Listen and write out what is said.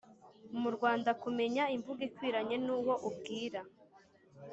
muRwanda kumenya imvugo ikwiranye n’uwo ubwira